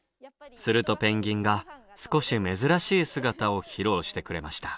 するとペンギンが少し珍しい姿を披露してくれました。